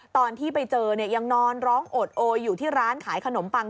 ตอนที่ไปเจอเนี่ยยังนอนร้องโอดโอยอยู่ที่ร้านขายขนมปัง